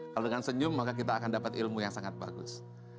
kalau dengan senyum maka kita akan dapat ilmu yang sangat bagus